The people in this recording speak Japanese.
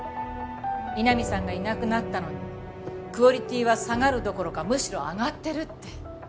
井波さんがいなくなったのにクオリティーは下がるどころかむしろ上がってるって。